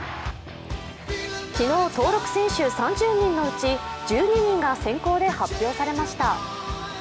昨日、登録選手３０人のうち１２人が先行で発表されました。